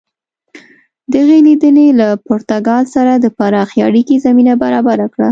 دغې لیدنې له پرتګال سره د پراخې اړیکې زمینه برابره کړه.